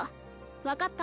分かった？